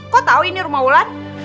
kau tahu ini rumah ulan